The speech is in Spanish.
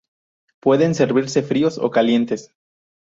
Pueden servirse fríos o calientes.